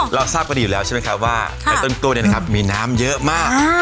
เราทราบกันดีอยู่แล้วใช่ไหมครับว่าในต้นกล้วยเนี่ยนะครับมีน้ำเยอะมาก